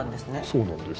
そうなんです。